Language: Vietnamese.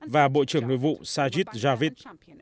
và bộ trưởng nội vụ sajid javid